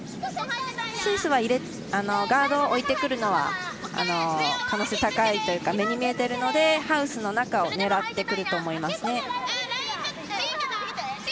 スイスはガードを置いてくるのは可能性高いというか目に見えているのでハウスの中を狙ってくると思いますね。